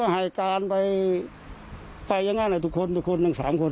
หายการไปไปยังไงล่ะทุกคนทั้ง๓คน